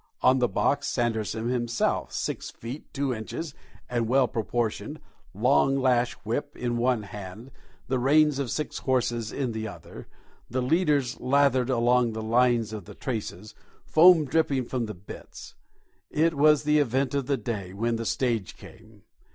On the box Sanderson himself, six feet two inches, and well proportioned, long lash whip in one hand, the reins of six horses in the other, the "leaders" lathered along the lines of the traces, foam dripping from the bits! It was the event of the day when the stage came.